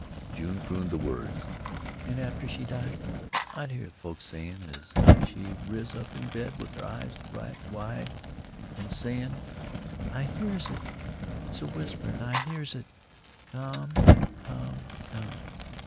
June crooned the words, "an' atter she died, I heerd the folks sayin' as how she riz up in bed with her eyes right wide an' sayin' "I hears it! It's a whisperin' I hears it come come come'!"